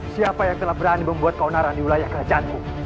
siapa yang telah berani membuat kau narani wilayah kerajaanku